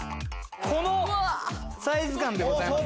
このサイズ感でございます。